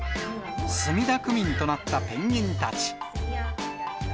墨田区民となったペンギンたち。